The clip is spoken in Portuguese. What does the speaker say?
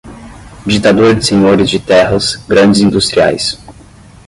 ditadura de senhores de terras, grandes industriais